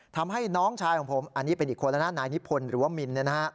ทำให้น้องชายงงผมอันนี้เป็นอีกคนแล้วนะนายนิภนหรือว่ามินนี่นะครับ